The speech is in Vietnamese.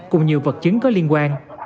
cùng nhiều vật chứng có liên quan